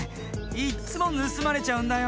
いっつもぬすまれちゃうんだよ。